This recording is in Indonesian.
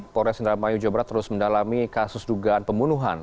polres indramayu jobrat terus mendalami kasus dugaan pembunuhan